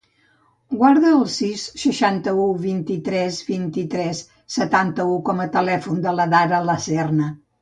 Guarda el sis, seixanta-u, vint-i-tres, vint-i-tres, setanta-u com a telèfon de la Dara Laserna.